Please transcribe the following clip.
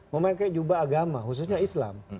memakai jubah agama khususnya islam